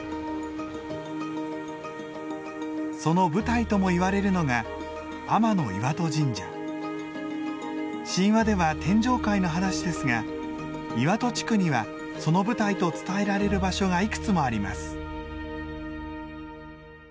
その舞台ともいわれるのが神話では天上界の話ですが岩戸地区にはその舞台と伝えられる場所がいくつもあります。